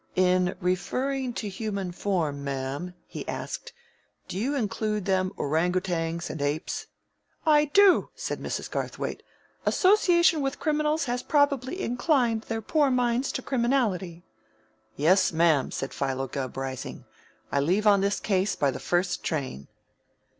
"In referring to human form, ma'am," he asked, "do you include them oorangootangs and apes?" "I do," said Mrs. Garthwaite. "Association with criminals has probably inclined their poor minds to criminality." "Yes, ma'am," said Philo Gubb, rising. "I leave on this case by the first train."